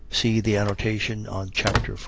. .See the annotation on chap. 14.